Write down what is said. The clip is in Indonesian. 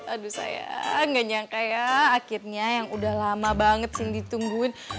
aduh sayang gak nyangka ya akhirnya yang udah lama banget cindy tungguin